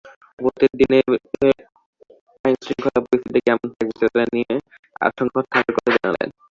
ভোটের দিনে আইনশৃঙ্খলা পরিস্থিতি কেমন থাকবে, সেটা নিয়ে আশঙ্কার কথাও জানালেন তিনি।